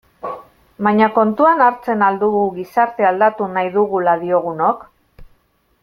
Baina kontuan hartzen al dugu gizartea aldatu nahi dugula diogunok?